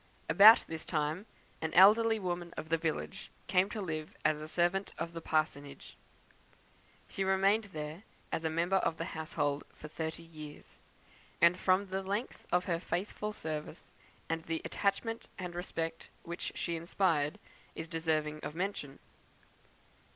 About this time, an elderly woman of the village came to live as servant at the parsonage. She remained there, as a member of the household, for thirty years; and from the length of her faithful service, and the attachment and respect which she inspired, is deserving of mention.